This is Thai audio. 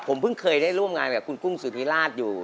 ผมเพิ่งเคยได้ร่วมงานกับคุณกุ้งสุธิราชอยู่